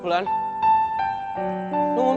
suara ada semacam